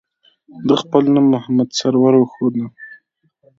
ده خپل نوم محمد سرور وښوده.